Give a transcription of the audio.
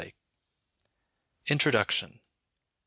INTRODUCTION.